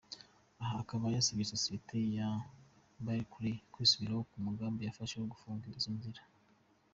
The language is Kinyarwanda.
Aha akaba yasabye sosiyete ya Barclays kwisubiraho ku mugambi yafashe wo gufunga izo nzira.